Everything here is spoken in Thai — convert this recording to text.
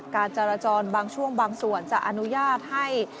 การจราจรบางช่วงบางส่วนจะอนุญาตให้